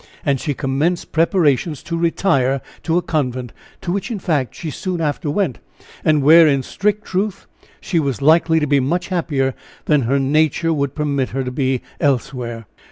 And she commenced preparations to retire to a convent, to which in fact she soon after went, and where in strict truth, she was likely to be much happier than her nature would permit her to be elsewhere.